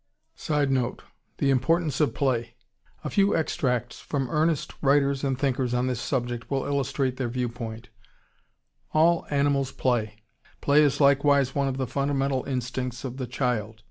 [Sidenote: The importance of play.] A few extracts from earnest writers and thinkers on this subject will illustrate their view point. All animals play. Play is likewise one of the fundamental instincts of the child.